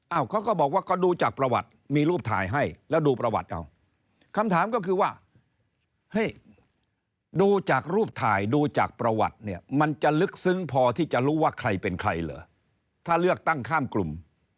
เขาก็บอกว่าก็ดูจากประวัติมีรูปถ่ายให้แล้วดูประวัติเอาคำถามก็คือว่าเฮ้ยดูจากรูปถ่ายดูจากประวัติเนี่ยมันจะลึกซึ้งพอที่จะรู้ว่าใครเป็นใครเหรอถ้าเลือกตั้งข้ามกลุ่ม